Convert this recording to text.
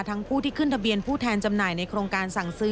ผู้ที่ขึ้นทะเบียนผู้แทนจำหน่ายในโครงการสั่งซื้อ